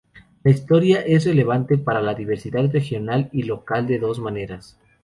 La historia es relevante para la diversidad regional y local de dos maneras.